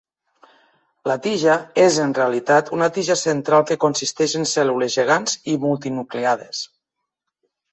La "tija" és en realitat una tija central que consisteix en cèl·lules gegants i multinucleades.